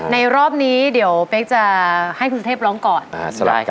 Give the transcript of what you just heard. รอบนี้เดี๋ยวเป๊กจะให้คุณสุเทพร้องก่อน